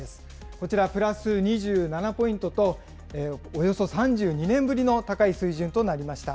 こちら、プラス２７ポイントと、およそ３２年ぶりの高い水準となりました。